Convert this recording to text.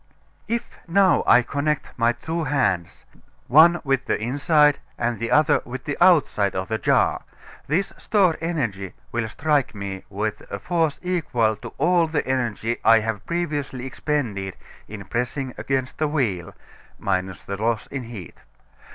If now I connect my two hands, one with the inside and the other with the outside of the jar, this stored energy will strike me with a force equal to all the energy I have previously expended in pressing against the wheel, minus the loss in heat.